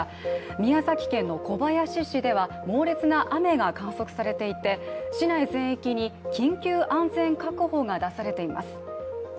宮崎県の小林市では猛烈な雨が観測されていて、市内全域に緊急安全確保が出されています。